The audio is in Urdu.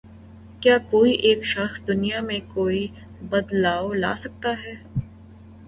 کیا کوئی ایک شخص دنیا میں کوئی بدلاؤ لا سکتا ہے